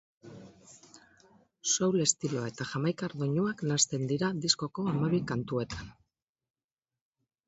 Soul estiloa eta jamaikar doinuak nahasten dira diskoko hamabi kantuetan.